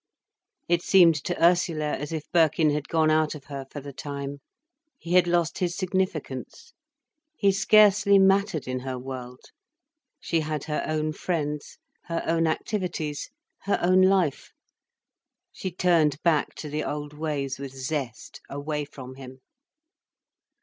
It seemed to Ursula as if Birkin had gone out of her for the time, he had lost his significance, he scarcely mattered in her world. She had her own friends, her own activities, her own life. She turned back to the old ways with zest, away from him.